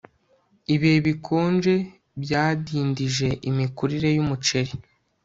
Ibihe bikonje byadindije imikurire yumuceri